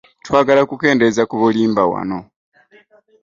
Twagala kukendeeza ku bulimba wano.